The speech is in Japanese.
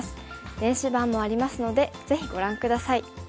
電子版もありますのでぜひご覧下さい。